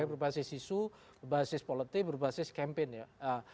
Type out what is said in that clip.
berbasis isu berbasis politik berbasis kampanye